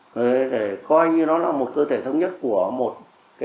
rồi để coi như nó là một cơ thể thống nhất của một cơ thể